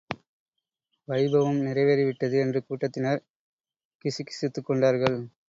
வைபவம் நிறைவேறி விட்டது என்று கூட்டத்தினர் கிசுகிசுத்துக் கொண்டார்கள்.